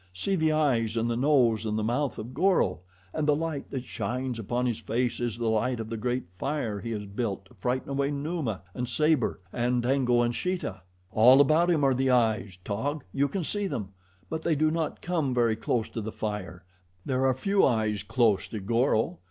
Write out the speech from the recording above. See the eyes and the nose and the mouth of Goro. And the light that shines upon his face is the light of the great fire he has built to frighten away Numa and Sabor and Dango and Sheeta. "All about him are the eyes, Taug, you can see them! But they do not come very close to the fire there are few eyes close to Goro.